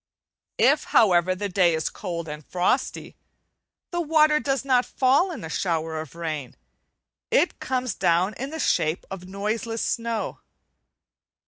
If, however, the day is cold and frosty, the water does not fall in a shower of rain; it comes down in the shape of noiseless snow.